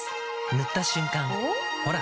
塗った瞬間おっ？